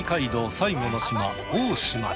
最後の島大島に。